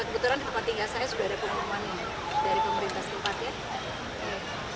kebetulan hampir tinggal saya sudah ada pengumuman dari pemerintah sempat